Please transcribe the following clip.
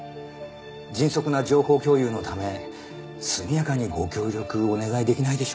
迅速な情報共有のため速やかにご協力をお願いできないでしょうか？